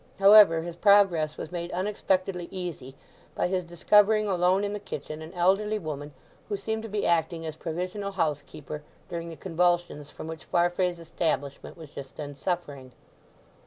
However, his progress was made unexpectedly easy by his discovering alone in the kitchen an elderly woman who seemed to be acting as provisional housekeeper during the convulsions from which Farfrae's establishment was just then suffering.